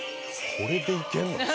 これでいけんの？